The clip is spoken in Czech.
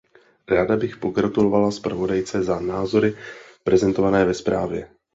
Ráda bych pogratulovala zpravodajce za názory prezentované ve zprávě.